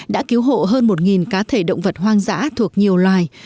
đã cứu hộ hơn một cá thể động vật hoang dã thuộc nhiều loài